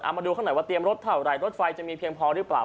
มาดูเขาหน่อยว่าเตรียมรถเท่าไหร่รถไฟจะมีเพียงพอหรือเปล่า